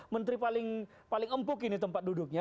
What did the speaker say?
menteri paling empuk ini tempat duduknya